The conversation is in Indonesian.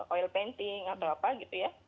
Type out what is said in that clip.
oil painting atau apa gitu ya